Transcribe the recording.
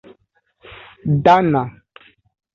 dana